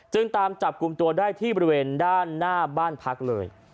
ตามจับกลุ่มตัวได้ที่บริเวณด้านหน้าบ้านพักเลย